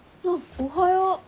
おはよう。